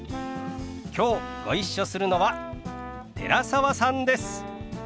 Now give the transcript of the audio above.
きょうご一緒するのは寺澤さんです。